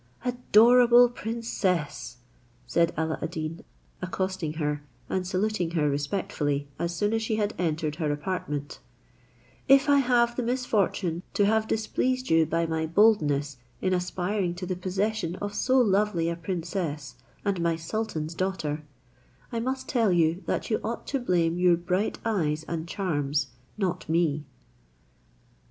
"Adorable princess," said Alla ad Deen, accosting her, and saluting her respectfully, as soon as she had entered her apartment, "if I have the misfortune to have displeased you by my boldness in aspiring to the possession of so lovely a princess, and my sultan's daughter, I must tell you, that you ought to blame your bright eyes and charms, not me."